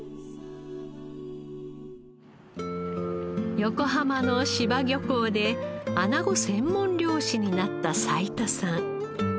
横浜の柴漁港でアナゴ専門漁師になった齋田さん。